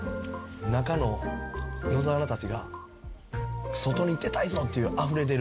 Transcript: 中の野沢菜たちが外に出たいぞってあふれ出る。